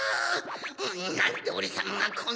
なんでオレさまがこんなめに。